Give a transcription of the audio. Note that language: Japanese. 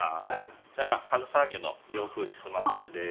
こちらがかずさ和牛の洋風ひつまぶしです。